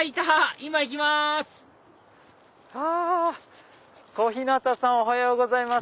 今行きます小日向さんおはようございます。